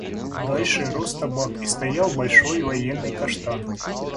Дальше рос табак и стоял большой военный каштан.